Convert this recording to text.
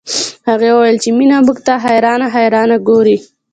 هغې وويل چې مينه موږ ته حيرانه حيرانه ګوري